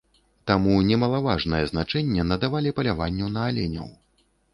Таму немалаважнае значэнне надавалі паляванню на аленяў.